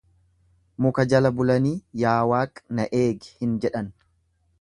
Muka jala bulanii yaa waaq na eegi hin jedhan.